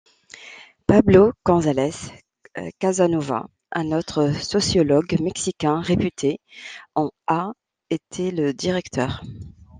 Pablo González Casanova, un autre sociologue mexicain réputé, en a été le directeur.